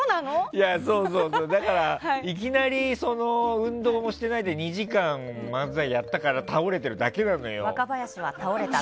だからいきなり運動もしてないで２時間、漫才やったから「若林は倒れた」。